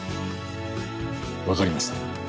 分かりました。